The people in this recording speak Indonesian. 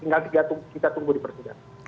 tinggal kita tunggu di persidangan